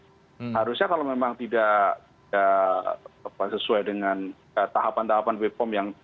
seharusnya kalau memang tidak sesuai dengan tahapan tahapan bepom